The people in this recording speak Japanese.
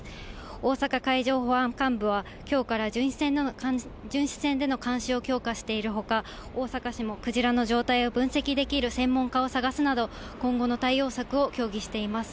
大阪海上保安監部は、きょうから巡視船での監視を強化しているほか、大阪市もクジラの状態を分析できる専門家を探すなど、今後の対応策を協議しています。